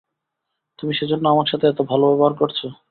তুমি সেজন্য আমার সাথে এত ভালো ব্যবহার করেছো?